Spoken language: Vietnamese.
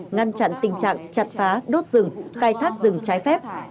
ngăn chặn tình trạng chặt phá đốt rừng khai thác rừng trái phép